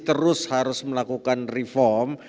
terus harus melakukan reform